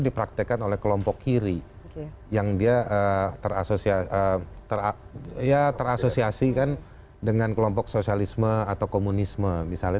dipraktekan oleh kelompok kiri yang dia terasosiasi terasosiasikan dengan kelompok sosialisme atau komunisme misalnya